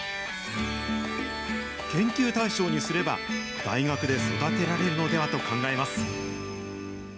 研究対象にすれば、大学で育てられるのではと考えます。